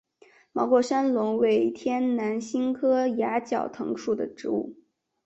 毛过山龙为天南星科崖角藤属的植物。